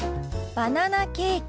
「バナナケーキ」。